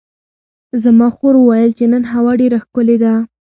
زما خور وویل چې نن هوا ډېره ښکلې ده.